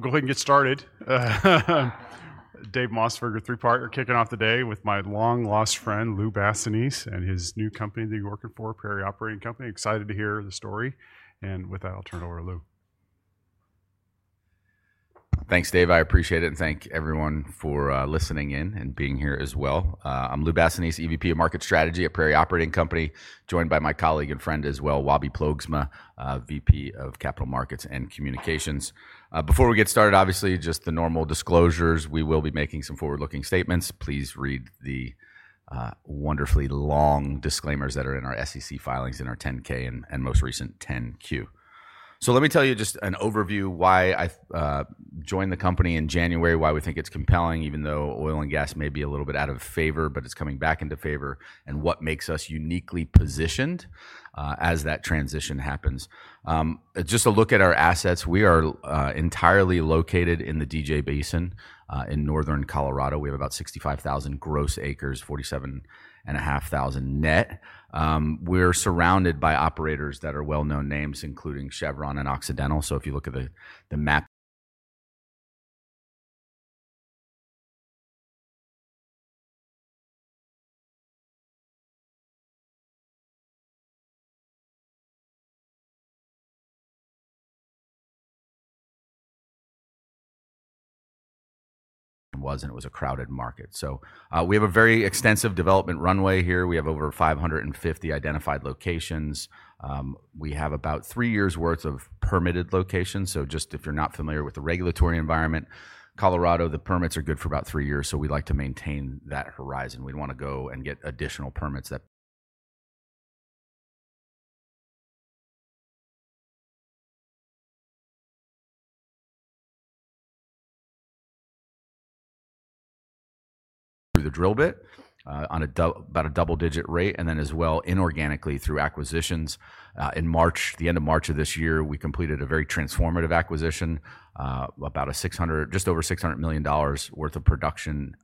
We're going to go ahead and get started. Dave Mossberger, three-partner, kicking off the day with my long-lost friend, Lou Bassanese, and his new company that you're working for, Prairie Operating Company. Excited to hear the story. With that, I'll turn it over to Lou. Thanks, Dave. I appreciate it. And thank everyone for listening in and being here as well. I'm Lou Bassanese, EVP of Market Strategy at Prairie Operating Company, joined by my colleague and friend as well, Wobbe Ploegsma, VP of Capital Markets and Communications. Before we get started, obviously, just the normal disclosures. We will be making some forward-looking statements. Please read the wonderfully long disclaimers that are in our SEC filings, in our 10-K and most recent 10-Q. Let me tell you just an overview: why I joined the company in January, why we think it's compelling, even though oil and gas may be a little bit out of favor, but it's coming back into favor, and what makes us uniquely positioned as that transition happens. Just a look at our assets. We are entirely located in the DJ Basin in northern Colorado. We have about 65,000 gross acres, 47,500 net. We're surrounded by operators that are well-known names, including Chevron and Occidental. If you look at the map, it was a crowded market. We have a very extensive development runway here. We have over 550 identified locations. We have about three years' worth of permitted locations. If you're not familiar with the regulatory environment, Colorado, the permits are good for about three years. We'd like to maintain that horizon. We'd want to go and get additional permits. The drill bit on about a double-digit rate, and then as well inorganically through acquisitions. In March, the end of March of this year, we completed a very transformative acquisition, just over $600 million worth of production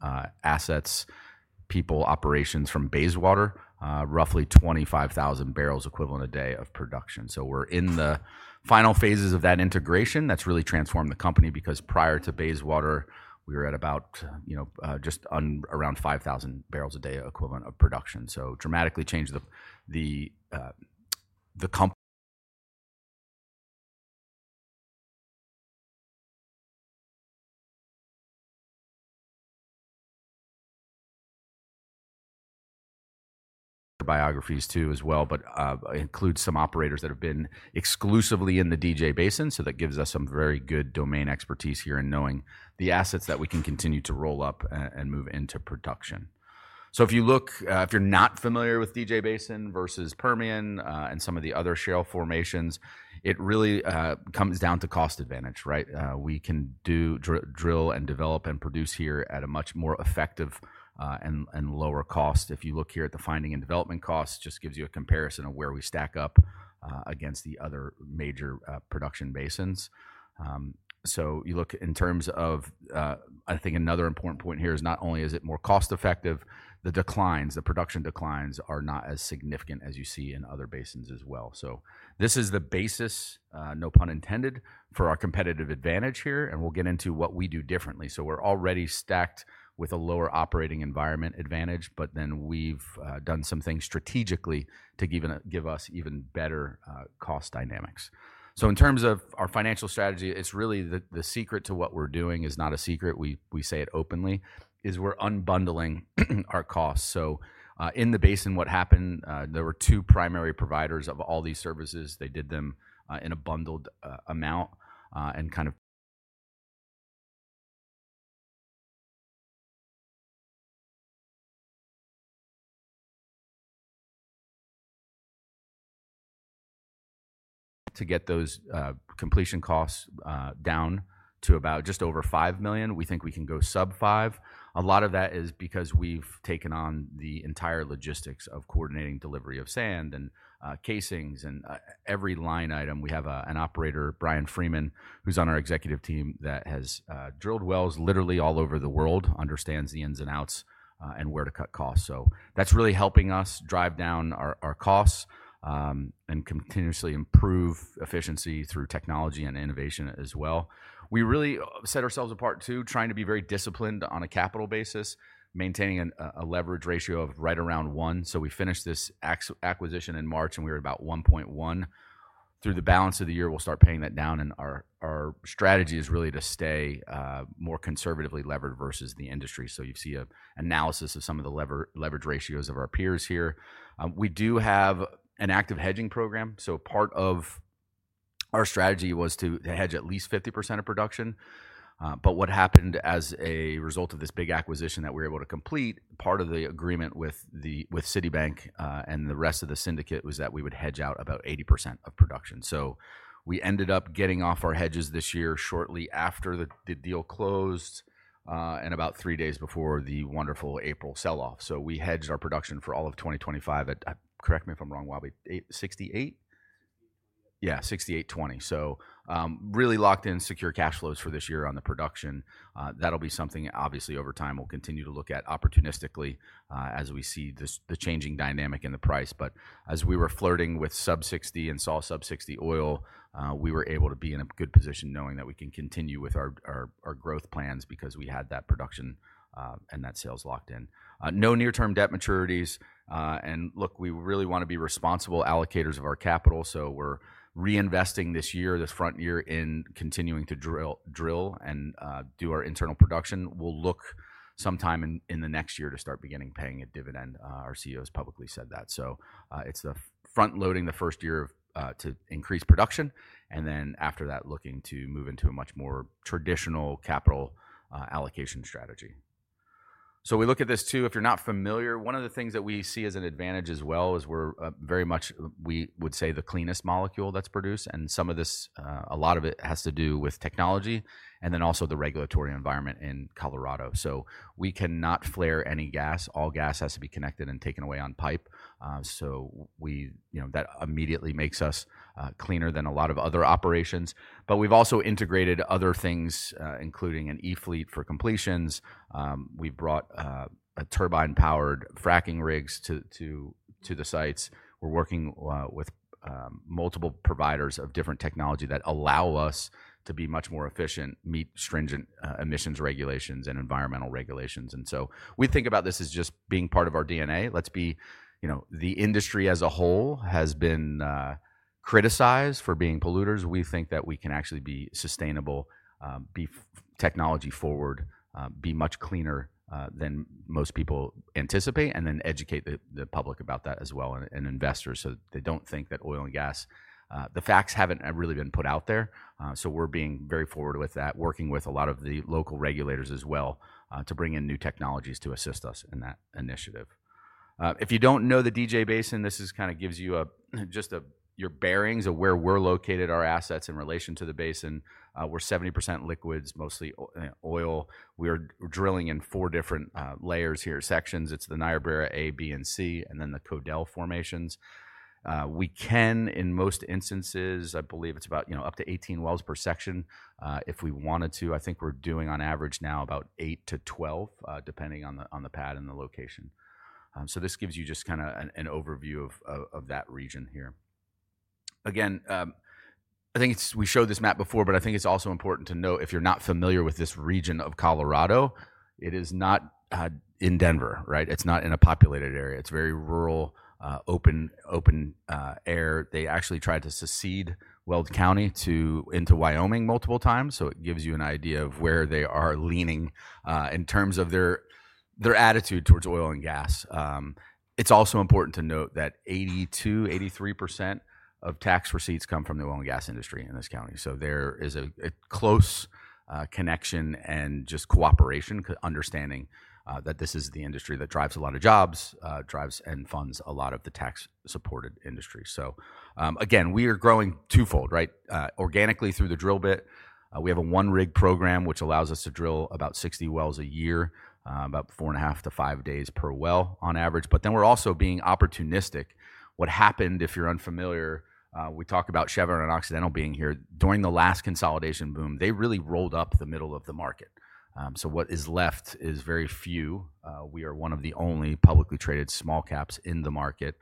assets, people, operations from Bayswater, roughly 25,000 barrels equivalent a day of production. We're in the final phases of that integration that's really transformed the company because prior to Bayswater, we were at about just around 5,000 barrels a day equivalent of production. Dramatically changed the company. Biographies too as well, but include some operators that have been exclusively in the DJ Basin. That gives us some very good domain expertise here in knowing the assets that we can continue to roll up and move into production. If you look, if you're not familiar with DJ Basin versus Permian and some of the other shale formations, it really comes down to cost advantage, right? We can do drill and develop and produce here at a much more effective and lower cost. If you look here at the finding and development costs, it just gives you a comparison of where we stack up against the other major production basins. You look in terms of, I think another important point here is not only is it more cost-effective, the declines, the production declines are not as significant as you see in other basins as well. This is the basis, no pun intended, for our competitive advantage here. We will get into what we do differently. We are already stacked with a lower operating environment advantage, but then we have done some things strategically to give us even better cost dynamics. In terms of our financial strategy, really the secret to what we are doing is not a secret. We say it openly, we are unbundling our costs. In the basin, what happened, there were two primary providers of all these services. They did them in a bundled amount and kind of. To get those completion costs down to about just over $5 million, we think we can go sub $5 million. A lot of that is because we've taken on the entire logistics of coordinating delivery of sand and casings and every line item. We have an operator, Bryan Freeman, who's on our executive team that has drilled wells literally all over the world, understands the ins and outs and where to cut costs. So that's really helping us drive down our costs and continuously improve efficiency through technology and innovation as well. We really set ourselves apart too, trying to be very disciplined on a capital basis, maintaining a leverage ratio of right around 1x. We finished this acquisition in March and we were about 1.1x. Through the balance of the year, we'll start paying that down. Our strategy is really to stay more conservatively levered versus the industry. You see an analysis of some of the leverage ratios of our peers here. We do have an active hedging program. Part of our strategy was to hedge at least 50% of production. What happened as a result of this big acquisition that we were able to complete, part of the agreement with Citibank and the rest of the syndicate was that we would hedge out about 80% of production. We ended up getting off our hedges this year shortly after the deal closed and about three days before the wonderful April sell-off. We hedged our production for all of 2025 at, correct me if I'm wrong, Wobbe, $68? Yeah, $68.20. Really locked in secure cash flows for this year on the production. That will be something, obviously, over time we will continue to look at opportunistically as we see the changing dynamic in the price. As we were flirting with sub $60 and saw sub $60 oil, we were able to be in a good position knowing that we can continue with our growth plans because we had that production and that sales locked in. No near-term debt maturities. Look, we really want to be responsible allocators of our capital. We are reinvesting this year, this front year in continuing to drill and do our internal production. We will look sometime in the next year to start beginning paying a dividend. Our CEO has publicly said that. It is the front loading the first year to increase production and then after that looking to move into a much more traditional capital allocation strategy. We look at this too. If you're not familiar, one of the things that we see as an advantage as well is we're very much, we would say, the cleanest molecule that's produced. Some of this, a lot of it, has to do with technology and then also the regulatory environment in Colorado. We cannot flare any gas. All gas has to be connected and taken away on pipe. That immediately makes us cleaner than a lot of other operations. We've also integrated other things, including an E-Fleet for completions. We've brought turbine-powered fracking rigs to the sites. We're working with multiple providers of different technology that allow us to be much more efficient, meet stringent emissions regulations and environmental regulations. We think about this as just being part of our DNA. The industry as a whole has been criticized for being polluters. We think that we can actually be sustainable, be technology forward, be much cleaner than most people anticipate, and then educate the public about that as well and investors so they do not think that oil and gas, the facts have not really been put out there. We are being very forward with that, working with a lot of the local regulators as well to bring in new technologies to assist us in that initiative. If you do not know the DJ Basin, this kind of gives you just your bearings of where we are located, our assets in relation to the basin. We are 70% liquids, mostly oil. We are drilling in four different layers here, sections. It is the Niobrara A, B, and C, and then the Codell formations. We can, in most instances, I believe it is about up to 18 wells per section if we wanted to. I think we're doing on average now about 8-12, depending on the pad and the location. This gives you just kind of an overview of that region here. Again, I think we showed this map before, but I think it's also important to note if you're not familiar with this region of Colorado, it is not in Denver, right? It's not in a populated area. It's very rural, open air. They actually tried to secede Weld County into Wyoming multiple times. It gives you an idea of where they are leaning in terms of their attitude towards oil and gas. It's also important to note that 82%-83% of tax receipts come from the oil and gas industry in this county. There is a close connection and just cooperation, understanding that this is the industry that drives a lot of jobs, drives and funds a lot of the tax-supported industry. Again, we are growing twofold, right? Organically through the drill bit. We have a one-rig program, which allows us to drill about 60 wells a year, about 4.5-5 days per well on average. We are also being opportunistic. What happened, if you are unfamiliar, we talk about Chevron and Occidental being here. During the last consolidation boom, they really rolled up the middle of the market. What is left is very few. We are one of the only publicly traded small caps in the market.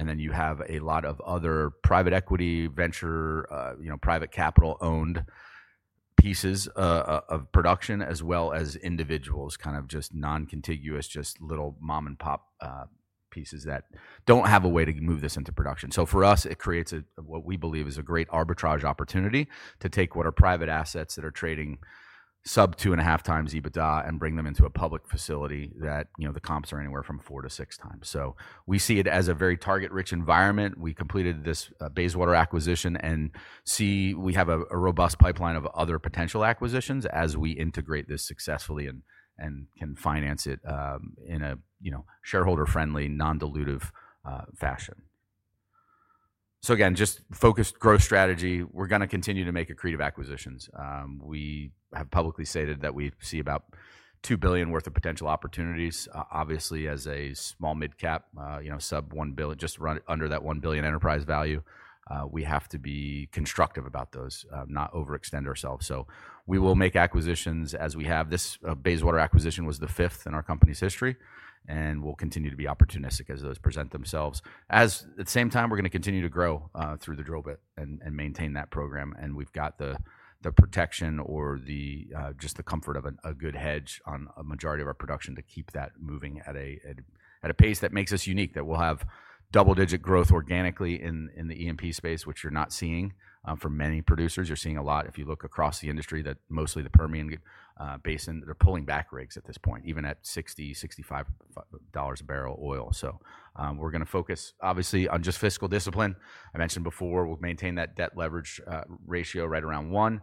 You have a lot of other private equity, venture, private capital-owned pieces of production, as well as individuals, kind of just non-contiguous, just little mom-and-pop pieces that do not have a way to move this into production. For us, it creates what we believe is a great arbitrage opportunity to take what are private assets that are trading sub 2.5x EBITDA and bring them into a public facility that the comps are anywhere from 4x-6x. We see it as a very target-rich environment. We completed this Bayswater acquisition and see we have a robust pipeline of other potential acquisitions as we integrate this successfully and can finance it in a shareholder-friendly, non-dilutive fashion. Again, just focused growth strategy. We are going to continue to make accretive acquisitions. We have publicly stated that we see about $2 billion worth of potential opportunities. Obviously, as a small mid-cap, sub $1 billion, just under that $1 billion enterprise value, we have to be constructive about those, not overextend ourselves. We will make acquisitions as we have. This Bayswater acquisition was the fifth in our company's history, and we'll continue to be opportunistic as those present themselves. At the same time, we're going to continue to grow through the drill bit and maintain that program. We've got the protection or just the comfort of a good hedge on a majority of our production to keep that moving at a pace that makes us unique, that we'll have double-digit growth organically in the EMP space, which you're not seeing for many producers. You're seeing a lot if you look across the industry that mostly the Permian Basin, they're pulling back rigs at this point, even at $60-$65 a barrel oil. We are going to focus, obviously, on just fiscal discipline. I mentioned before, we'll maintain that debt leverage ratio right around one.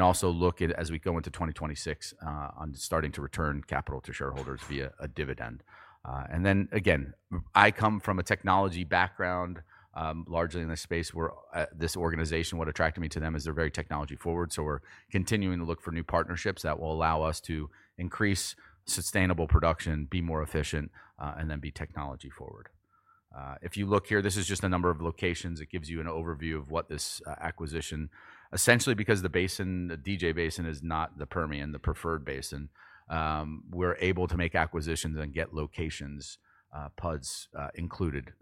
Also, look at, as we go into 2026, on starting to return capital to shareholders via a dividend. I come from a technology background largely in this space where this organization, what attracted me to them is they're very technology forward. We are continuing to look for new partnerships that will allow us to increase sustainable production, be more efficient, and then be technology forward. If you look here, this is just a number of locations. It gives you an overview of what this acquisition, essentially because the DJ Basin is not the Permian, the preferred basin, we're able to make acquisitions and get locations, PUDs included.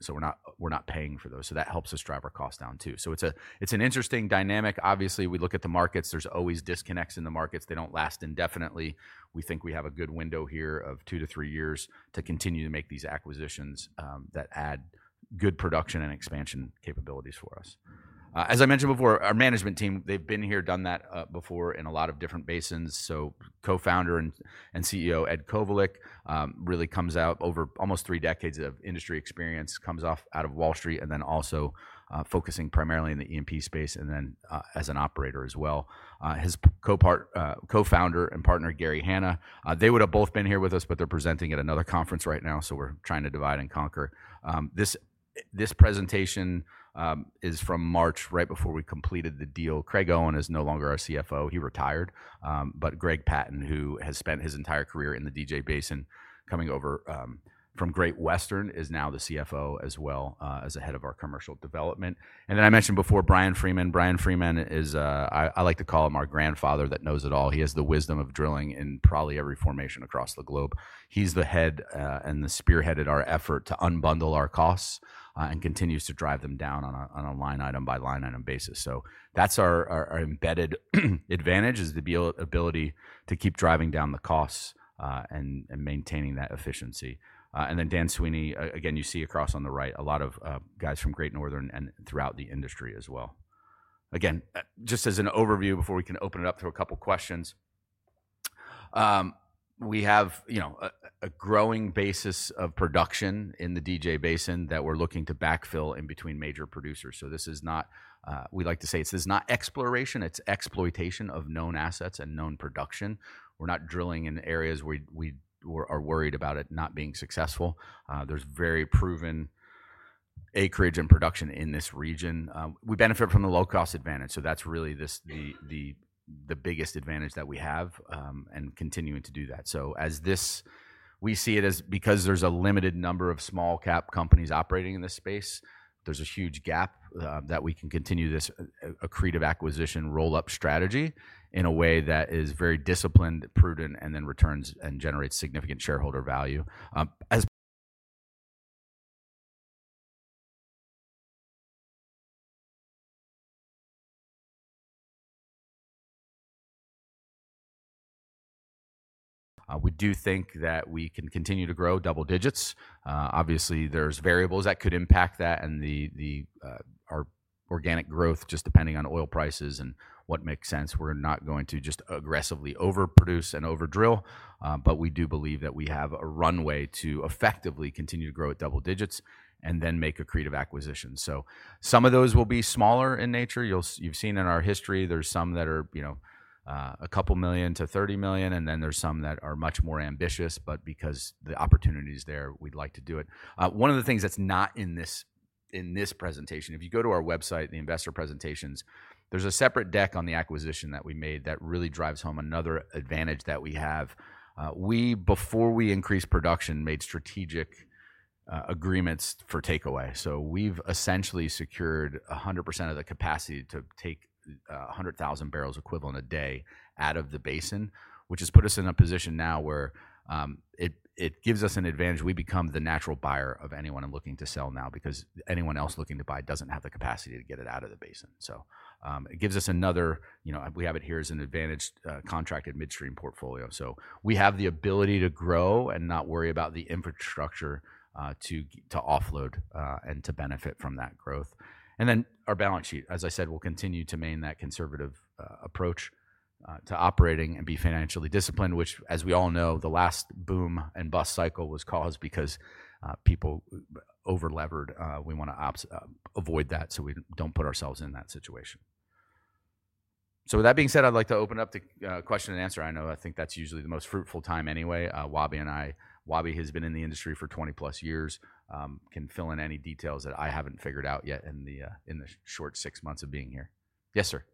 We're not paying for those. That helps us drive our costs down too. It's an interesting dynamic. Obviously, we look at the markets. There's always disconnects in the markets. They don't last indefinitely. We think we have a good window here of two to three years to continue to make these acquisitions that add good production and expansion capabilities for us. As I mentioned before, our management team, they've been here, done that before in a lot of different basins. Co-founder and CEO, Ed Kovalik, really comes out over almost three decades of industry experience, comes out of Wall Street, and then also focusing primarily in the E&P space and then as an operator as well. His co-founder and partner, Gary Hanna, they would have both been here with us, but they're presenting at another conference right now. We're trying to divide and conquer. This presentation is from March, right before we completed the deal. Craig Owen is no longer our CFO. He retired. Greg Patton, who has spent his entire career in the DJ Basin coming over from Great Western, is now the CFO as well as the head of our commercial development. I mentioned before, Bryan Freeman. Bryan Freeman, I like to call him our grandfather that knows it all. He has the wisdom of drilling in probably every formation across the globe. He's the head and spearheaded our effort to unbundle our costs and continues to drive them down on a line item by line item basis. That is our embedded advantage, the ability to keep driving down the costs and maintaining that efficiency. Then Dan Sweeney, again, you see across on the right, a lot of guys from Great Northern and throughout the industry as well. Again, just as an overview before we can open it up to a couple of questions, we have a growing basis of production in the DJ Basin that we're looking to backfill in between major producers. This is not, we like to say, it's not exploration, it's exploitation of known assets and known production. We're not drilling in areas where we are worried about it not being successful. There is very proven acreage and production in this region. We benefit from the low-cost advantage. That's really the biggest advantage that we have and continuing to do that. As this, we see it as because there's a limited number of small-cap companies operating in this space, there's a huge gap that we can continue this accretive acquisition roll-up strategy in a way that is very disciplined, prudent, and then returns and generates significant shareholder value. We do think that we can continue to grow double digits. Obviously, there's variables that could impact that and our organic growth just depending on oil prices and what makes sense. We're not going to just aggressively overproduce and overdrill, but we do believe that we have a runway to effectively continue to grow at double digits and then make accretive acquisitions. Some of those will be smaller in nature. You've seen in our history, there's some that are a couple million to $30 million, and then there's some that are much more ambitious. Because the opportunity is there, we'd like to do it. One of the things that's not in this presentation, if you go to our website, the investor presentations, there's a separate deck on the acquisition that we made that really drives home another advantage that we have. We, before we increased production, made strategic agreements for takeaway. We've essentially secured 100% of the capacity to take 100,000 barrels equivalent a day out of the basin, which has put us in a position now where it gives us an advantage. We become the natural buyer of anyone looking to sell now because anyone else looking to buy doesn't have the capacity to get it out of the basin. It gives us another, we have it here as an advantaged contracted midstream portfolio. We have the ability to grow and not worry about the infrastructure to offload and to benefit from that growth. Our balance sheet, as I said, we'll continue to maintain that conservative approach to operating and be financially disciplined, which, as we all know, the last boom and bust cycle was caused because people over-levered. We want to avoid that so we do not put ourselves in that situation. With that being said, I'd like to open up to question and answer. I know I think that's usually the most fruitful time anyway. Wobbe and I, Wobbe has been in the industry for 20 plus years, can fill in any details that I have not figured out yet in the short six months of being here. Yes, sir.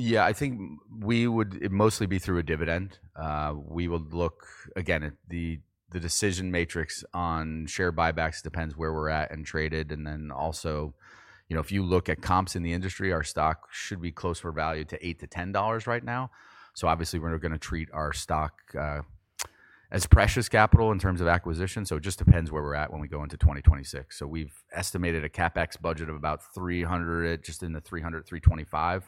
Yeah, I think we would mostly be through a dividend. We would look again at the decision matrix on share buybacks depends where we're at and traded. Also, if you look at comps in the industry, our stock should be close for value to $8-$10 right now. Obviously, we're going to treat our stock as precious capital in terms of acquisition. It just depends where we're at when we go into 2026. We've estimated a CapEx budget of about $300 million, just in the $300-$325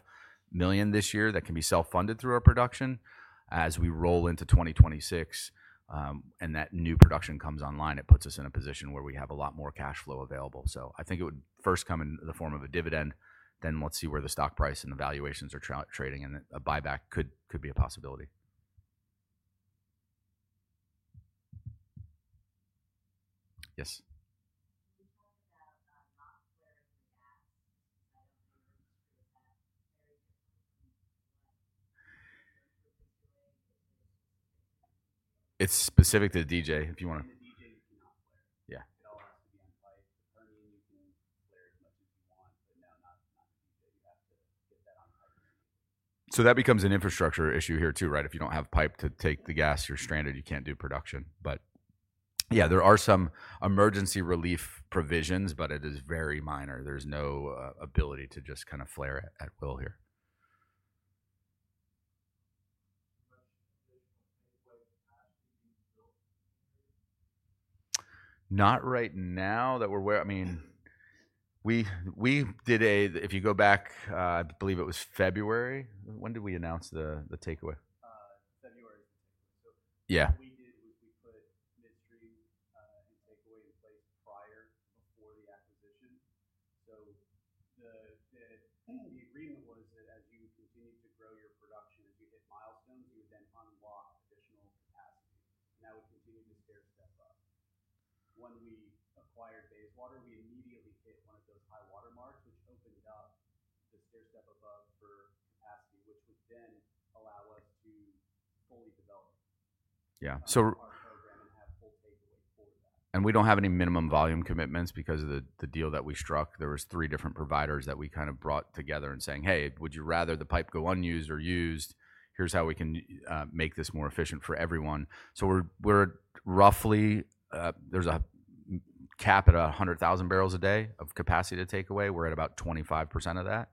million this year, that can be self-funded through our production. As we roll into 2026 and that new production comes online, it puts us in a position where we have a lot more cash flow available. I think it would first come in the form of a dividend. Let's see where the stock price and the valuations are trading, and a buyback could be a possibility. Yes. It's specific to DJ, if you want to. Yeah. That becomes an infrastructure issue here too, right? If you don't have pipe to take the gas, you're stranded. You can't do production. Yeah, there are some emergency relief provisions, but it is very minor. There's no ability to just kind of flare at will here. Not right now that we're aware. I mean, we did a, if you go back, I believe it was February. When did we announce the takeaway? midstream and takeaway in place prior, before the acquisition. The agreement was that as you continue to grow your production, as you hit milestones, you would then unlock additional capacity. Now we continue to stair step up. When we acquired Bayswater, we immediately hit one of those high water marks, which opened up the stair step above for capacity, which would then- We do not have any minimum volume commitments because of the deal that we struck. There were three different providers that we kind of brought together and saying, "Hey, would you rather the pipe go unused or used? Here's how we can make this more efficient for everyone." So we're roughly, there's a cap at 100,000 barrels a day of capacity to take away. We're at about 25% of that.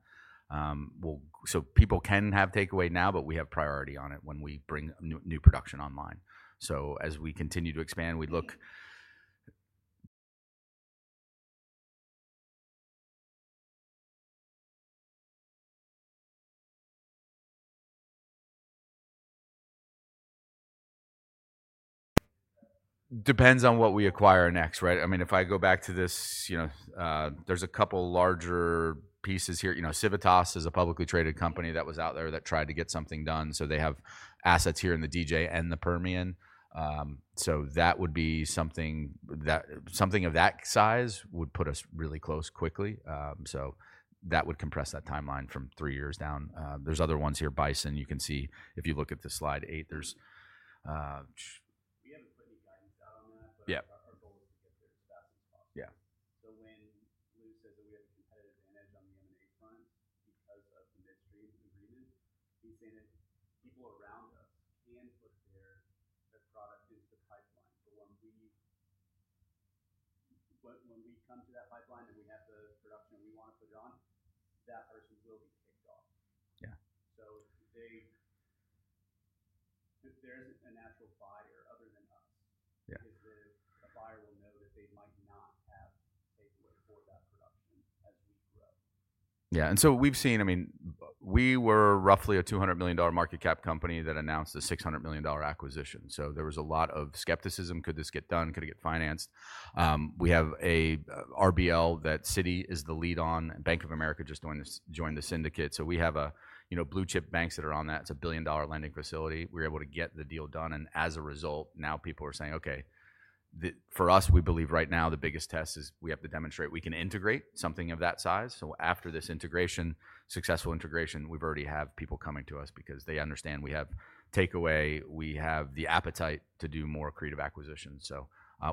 People can have takeaway now, but we have priority on it when we bring new production online. As we continue to expand, we look. Depends on what we acquire next, right? I mean, if I go back to this, there's a couple of larger pieces here. Civitas is a publicly traded company that was out there that tried to get something done. They have assets here in the DJ and the Permian. That would be something of that size would put us really close quickly. That would compress that timeline from three years down. There are other ones here, Bison. You can see if you look at slide eight, there is. on the M&A front because of the midstream agreement, he is saying that people around us can put their product into the pipeline. When we come to that pipeline and we have the production we want to put on, that person will be kicked off. If there is a natural buyer other than us, a buyer - Yeah. We have seen, I mean, we were roughly a $200 million market cap company that announced a $600 million acquisition. There was a lot of skepticism. Could this get done? Could it get financed? We have an RBL that Citi is the lead on. Bank of America just joined the syndicate. We have blue chip banks that are on that. It is a $1 billion lending facility. We are able to get the deal done. As a result, now people are saying, "Okay. For us, we believe right now the biggest test is we have to demonstrate we can integrate something of that size." After this integration, successful integration, we have already had people coming to us because they understand we have takeaway. We have the appetite to do more accretive acquisitions.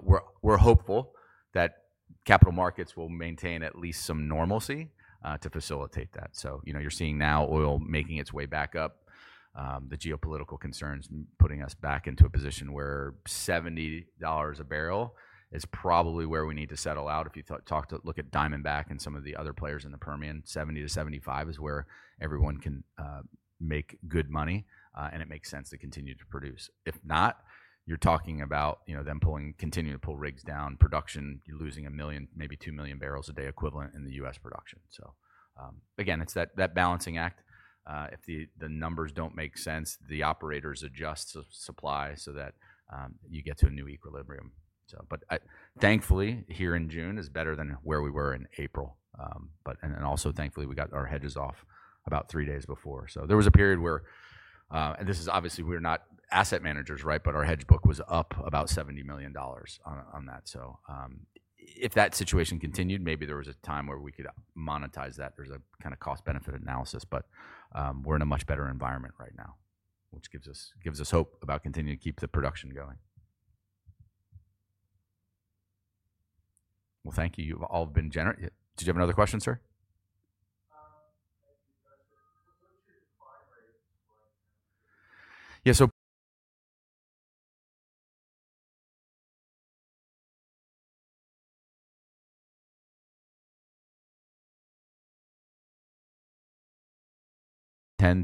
We are hopeful that capital markets will maintain at least some normalcy to facilitate that. You are seeing now oil making its way back up. The geopolitical concerns putting us back into a position where $70 a barrel is probably where we need to settle out. If you look at Diamondback and some of the other players in the Permian, $70-$75 is where everyone can make good money, and it makes sense to continue to produce. If not, you're talking about them continuing to pull rigs down, production, losing a million, maybe two million barrels a day equivalent in U.S. production. It is that balancing act. If the numbers do not make sense, the operators adjust supply so that you get to a new equilibrium. Thankfully, here in June is better than where we were in April. Also, thankfully, we got our hedges off about three days before. There was a period where, and this is obviously, we are not asset managers, right? Our hedge book was up about $70 million on that. If that situation continued, maybe there was a time where we could monetize that. There is a kind of cost-benefit analysis, but we are in a much better environment right now, which gives us hope about continuing to keep the production going. Thank you. You have all been generated. Did you have another question, sir? Yeah. Tend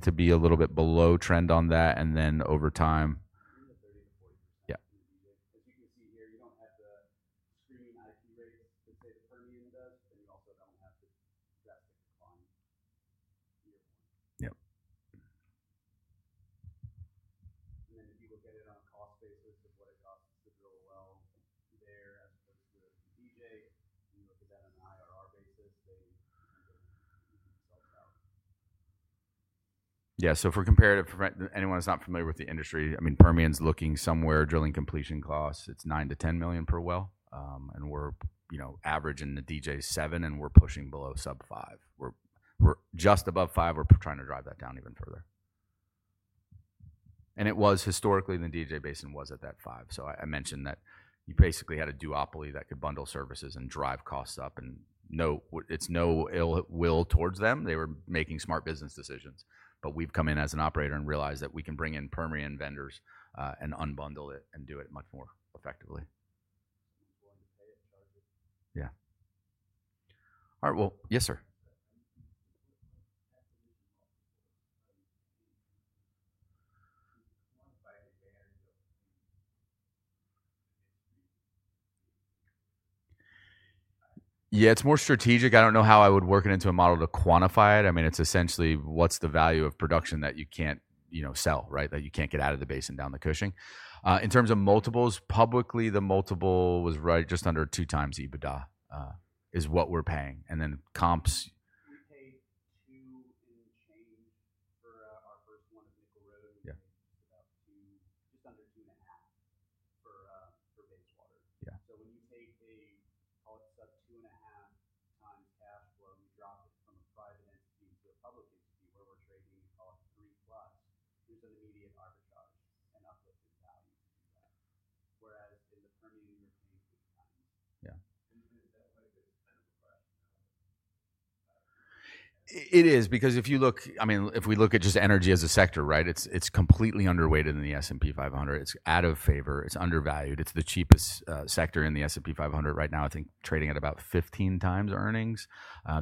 to be a little bit below trend on that. Over time. [audio distortation] rates that, say, the Permian does, and you also do not have the drastic decline here. Yep. If you look at it on a cost basis of what it costs to drill a well there as opposed to DJ, you look at that on an IRR basis, they sell out. Yeah. For comparative, for anyone who's not familiar with the industry, I mean, Permian's looking somewhere drilling completion costs. It's $9 million-$10 million per well. And we're average in the DJ $7 million, and we're pushing below sub $5 million. We're just above $5 million. We're trying to drive that down even further. It was historically the DJ Basin was at that $5 million. I mentioned that you basically had a duopoly that could bundle services and drive costs up. It's no ill will towards them. They were making smart business decisions. We've come in as an operator and realized that we can bring in Permian vendors and unbundle it and do it much more effectively. Yeah. All right. Yes, sir. Yeah, it's more strategic. I don't know how I would work it into a model to quantify it. I mean, it's essentially what's the value of production that you can't sell, right? That you can't get out of the basin down the Cushing. In terms of multiples, publicly, the multiple was right just under 2x EBITDA is what we're paying. And then comps. It's about just under 2.5x for Bayswater. So when you take a, call it sub–two-and-a-half times cash flow, you drop it from a private entity to a public entity where we're trading, we call it 3+. There's an immediate arbitrage and uplifted value to do that. Whereas in the Permian, you're paying three times. Yeah. Is that what it is? It's kind of a question. It is because if you look, I mean, if we look at just energy as a sector, right? It's completely underweighted in the S&P 500. It's out of favor. It's undervalued. It's the cheapest sector in the S&P 500 right now. It's trading at about 15x earnings.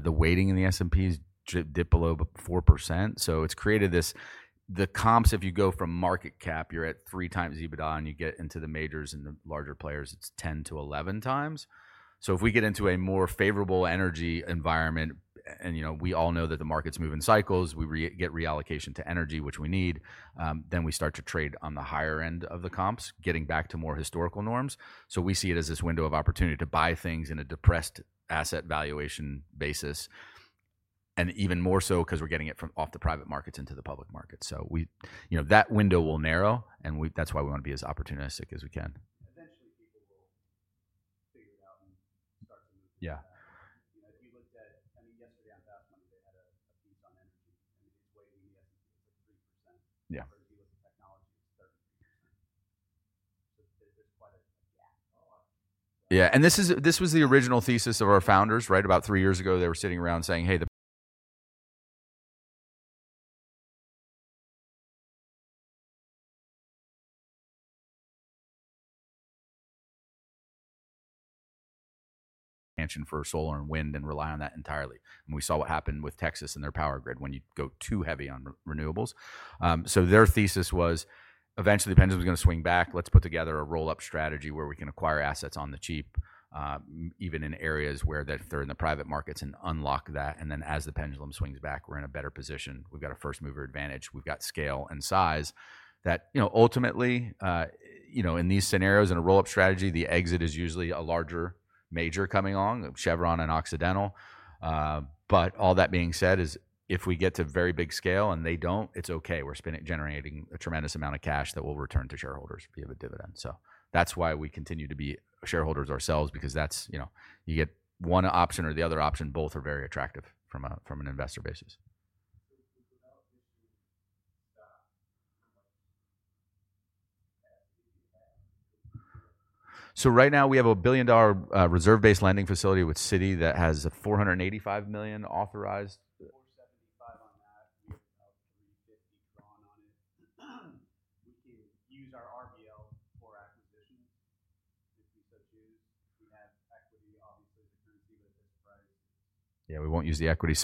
The weighting in the S&P is dip below 4%. It's created this. The comps, if you go from market cap, you're at 3x EBITDA and you get into the majors and the larger players, it's 10x-11x. If we get into a more favorable energy environment, and we all know that the market's moving cycles, we get reallocation to energy, which we need, then we start to trade on the higher end of the comps, getting back to more historical norms. We see it as this window of opportunity to buy things in a depressed asset valuation basis. Even more so because we're getting it from off the private markets into the public markets. That window will narrow, and that's why we want to be as opportunistic as we can. Eventually, people will figure it out and start to move. Yeah. Yeah. This was the original thesis of our founders, right? About three years ago, they were sitting around saying, "Hey, the tension for solar and wind and rely on that entirely." We saw what happened with Texas and their power grid when you go too heavy on renewables. Their thesis was, eventually, the pendulum is going to swing back. Let's put together a roll-up strategy where we can acquire assets on the cheap, even in areas where they're in the private markets and unlock that. As the pendulum swings back, we're in a better position. We've got a first mover advantage. We've got scale and size that ultimately, in these scenarios and a roll-up strategy, the exit is usually a larger major coming along, Chevron and Occidental. All that being said is, if we get to very big scale and they don't, it's okay. We're generating a tremendous amount of cash that will return to shareholders via a dividend. That's why we continue to be shareholders ourselves because you get one option or the other option. Both are very attractive from an investor basis. Right now, we have a $1 billion reserve-based lending facility with Citi that has $485 million authorized. We can use our RBL for acquisitions if we so choose. Yeah, we won't use the equity.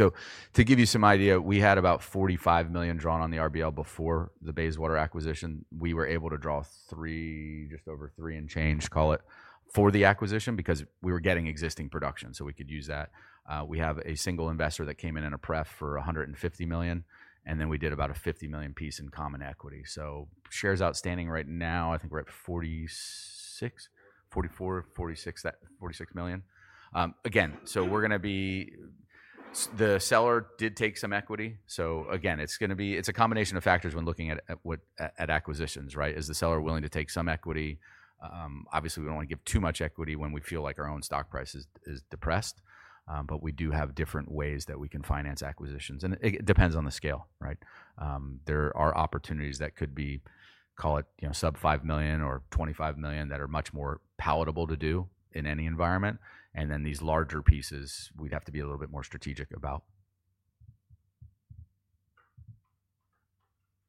To give you some idea, we had about $45 million drawn on the RBL before the Bayswater acquisition. We were able to draw three, just over three and change, call it, for the acquisition because we were getting existing production. We could use that. We have a single investor that came in in a prep for $150 million, and then we did about a $50 million piece in common equity. Shares outstanding right now, I think we're at 46 million. Again, the seller did take some equity. Again, it's going to be a combination of factors when looking at acquisitions, right? Is the seller willing to take some equity? Obviously, we don't want to give too much equity when we feel like our own stock price is depressed. We do have different ways that we can finance acquisitions. It depends on the scale, right? There are opportunities that could be, call it sub $5 million or $25 million that are much more palatable to do in any environment. These larger pieces, we'd have to be a little bit more strategic about.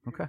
Okay.